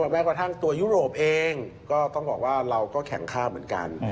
แม้กระทั่งตัวยุโรปเองก็ต้องบอกว่าเราก็แข็งค่าเหมือนกัน